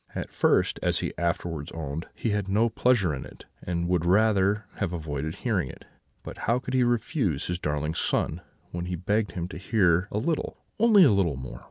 At first, as he afterwards owned, he had no pleasure in it, and would rather have avoided hearing it; but how could he refuse his darling son, when he begged him to hear a little only a little more?